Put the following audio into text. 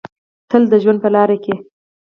تل د ژوند په لاره کې